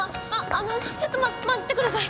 あのちょっとま待ってください。